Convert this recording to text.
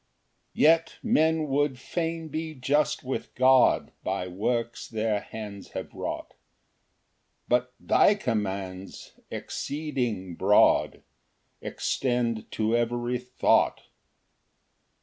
4 Yet men would fain be just with God By works their hands have wrought; But thy commands, exceeding broad, Extend to every thought.